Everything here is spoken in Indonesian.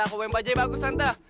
kalo mau naik bajaj bagus tante